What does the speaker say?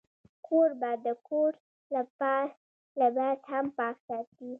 کوربه د کور لباس هم پاک ساتي.